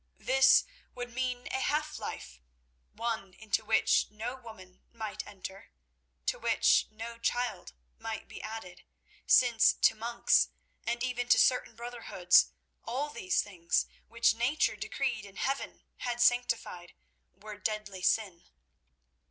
This would mean a half life—one into which no woman might enter, to which no child might be added, since to monks and even to certain brotherhoods, all these things, which Nature decreed and Heaven had sanctified, were deadly sin.